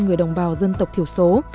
người đồng bào dân tộc thiểu số